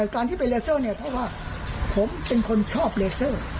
การที่ไปเลเซอร์เนี่ยเพราะว่าผมเป็นคนชอบเลเซอร์